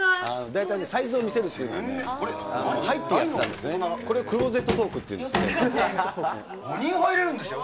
大体、サイズを見せるっていう、これ、クローゼットトークっていうんですよ。